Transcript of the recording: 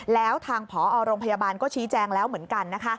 แล้วทางผอโรงพยาบาลก็ชี้แจงแล้วเหมือนกันนะคะ